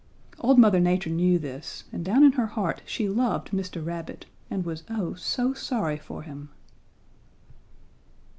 "Old Mother Nature knew this and down in her heart she loved Mr. Rabbit and was oh so sorry for him.